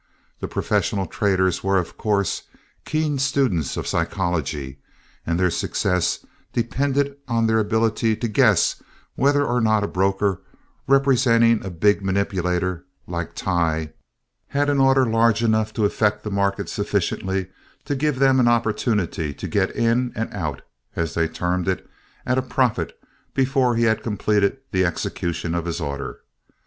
The professional traders were, of course, keen students of psychology; and their success depended on their ability to guess whether or not a broker representing a big manipulator, like Tighe, had an order large enough to affect the market sufficiently to give them an opportunity to "get in and out," as they termed it, at a profit before he had completed the execution of his order.